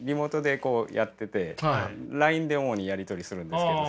まああのＬＩＮＥで主にやり取りするんですけど先生と。